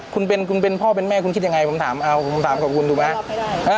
คุณเป็นพ่อเป็นแม่คุณคิดอย่างไรผมถามกับคุณถูกไหม